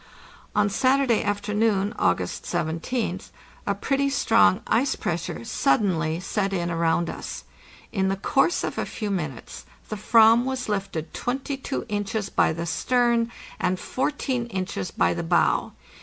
On Saturday afternoon, August 17th, a pretty strong ice pressure suddenly set in around us. In the course of a few min utes the "vam was lifted 22 inches by the stern, and 14 inches by the bow.